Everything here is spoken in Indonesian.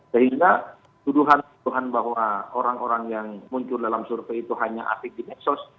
sehingga tuduhan bahwa orang orang yang muncul dalam survei itu hanya arti dinesos